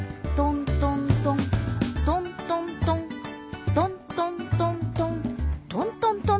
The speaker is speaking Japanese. とんとんとんとんとんとん。